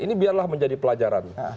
ini biarlah menjadi pelajaran